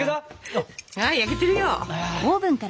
はい焼けてるよ。